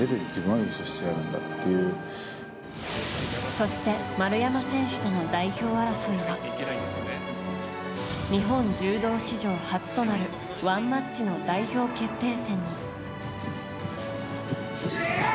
そして丸山選手との代表争いは日本柔道史上初となるワンマッチの代表決定戦に。